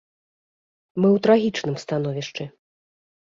Мы ў трагічным становішчы.